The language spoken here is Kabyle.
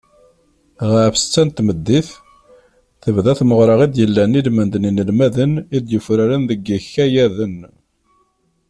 Ɣef ssetta n tmeddit, tebda tmeɣra i d-yellan ilmend n yinelmaden i d-yufraren deg yikayaden.